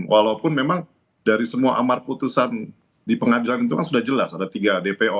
walaupun memang dari semua amar putusan di pengadilan itu kan sudah jelas ada tiga dpo